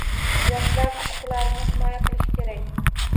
Yoshlar huquqlarini himoya qilish kerak